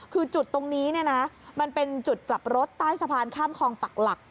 คือจุดตรงนี้เนี่ยนะมันเป็นจุดกลับรถใต้สะพานข้ามคลองปักหลัก